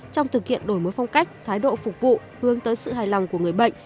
trong thực hiện đổi mới phong cách thái độ phục vụ hướng tới sự hài lòng của người bệnh